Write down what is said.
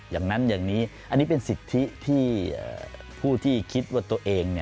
อย่างนั้นอย่างนี้อันนี้เป็นสิทธิที่ผู้ที่คิดว่าตัวเอง